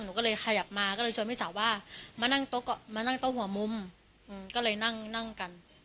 หนูก็เลยขยับมาก็เลยชวนพี่สาวว่ามานั่งโต๊ะหัวมุมก็เลยนั่งกัน